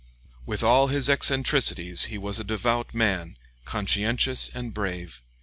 With all his eccentricities, he was a devout man, conscientious and brave.